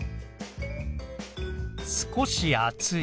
少し暑い。